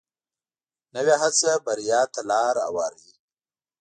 نوې هڅه بریا ته لار هواروي